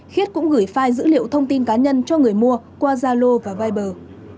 khiết cũng gửi file dữ liệu thông tin cá nhân cho người mua qua zalo và viber